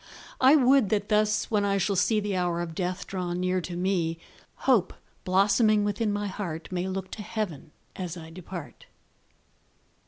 I would that thus, when I shall see The hour of death draw near to me, Hope, blossoming within my heart, May look to heaven as I depart.